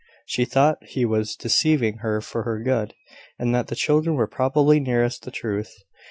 She thought he was deceiving her for her good, and that the children were probably nearest the truth.